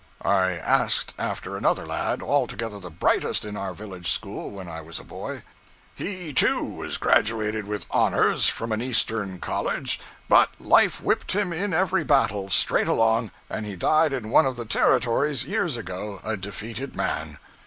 I asked after another lad, altogether the brightest in our village school when I was a boy. 'He, too, was graduated with honors, from an Eastern college; but life whipped him in every battle, straight along, and he died in one of the Territories, years ago, a defeated man.'